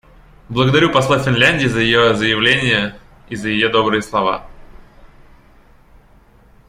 Благодарю посла Финляндии за ее заявление и за ее добрые слова.